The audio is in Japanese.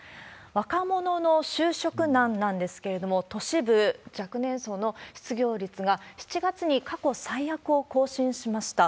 若者の就職難なんですけれども、都市部、若年層の失業率が７月に過去最悪を更新しました。